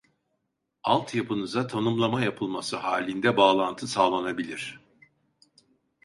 Alt yapınıza tanımlama yapılması halinde bağlantı sağlanabilir